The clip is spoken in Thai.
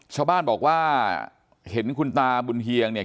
ชาวบ้านบอกว่าเห็นคุณตาบุญเฮียงเนี่ย